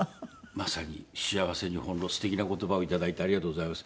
まさに幸せに翻弄素敵な言葉をいただいてありがとうございます。